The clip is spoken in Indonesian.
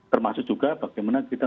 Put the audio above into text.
termasuk juga bagaimana kita